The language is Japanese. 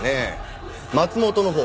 松本のほう？